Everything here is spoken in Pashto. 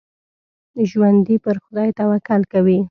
ژوندي پر خدای توکل کوي